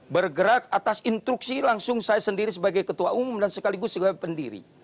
bergerak atas instruksi langsung saya sendiri sebagai ketua umum dan sekaligus sebagai pendiri